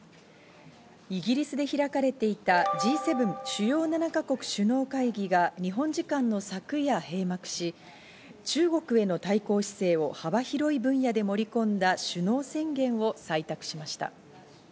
イギリスで開かれていたＧ７＝主要７か国首脳会議が日本時間の昨夜、閉幕し、中国への対抗姿勢を幅広い分野で盛り込んだ首脳宣言を採択しました。